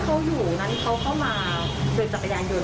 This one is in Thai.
ในเท่าที่เขาอยู่งั้นเขาเข้ามาเดินจักรยานยนต์คนเดียว